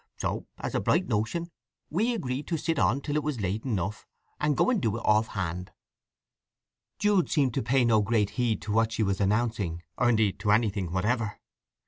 So, as a bright notion, we agreed to sit on till it was late enough, and go and do it off hand." Jude seemed to pay no great heed to what she was announcing, or indeed to anything whatever.